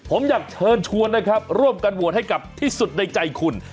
ผมอยากเชิญชวนนะครับร่วมกันโหวตให้กับที่สุดในใจคุณ